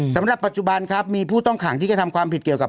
สำหรับปัจจุบันครับมีผู้ต้องขังที่กระทำความผิดเกี่ยวกับ